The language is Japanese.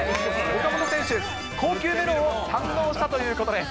岡本選手、高級メロンを堪能したということです。